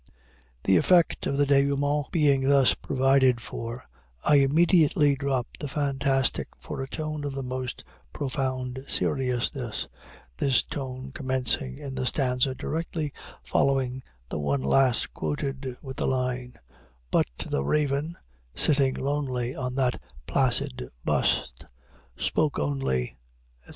'" The effect of the dénouement being thus provided for, I immediately drop the fantastic for a tone of the most profound seriousness: this tone commencing in the stanza directly following the one last quoted, with the line, "But the Raven, sitting lonely on that placid bust, spoke only," etc.